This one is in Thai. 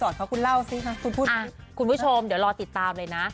เด็กรุ่นใหม่เข้ามาเยอะนะ